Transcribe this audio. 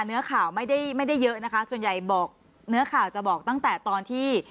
เนื้อข่าวไม่ได้ไม่ได้เยอะนะคะส่วนใหญ่บอกเนื้อข่าวจะบอกตั้งแต่ตอนที่